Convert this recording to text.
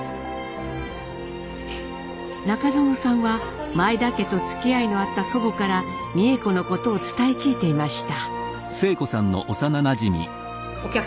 中園さんは前田家とつきあいのあった祖母から美枝子のことを伝え聞いていました。